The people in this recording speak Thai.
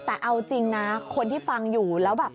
แต่เอาจริงนะคนที่ฟังอยู่แล้วแบบ